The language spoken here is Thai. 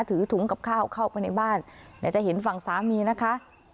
ถือถุงกับข้าวเข้าไปในบ้านเดี๋ยวจะเห็นฝั่งสามีนะคะ